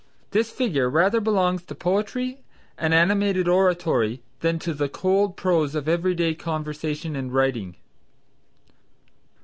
This figure rather belongs to poetry and animated oratory than to the cold prose of every day conversation and writing.